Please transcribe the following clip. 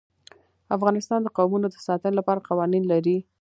افغانستان د قومونه د ساتنې لپاره قوانین لري.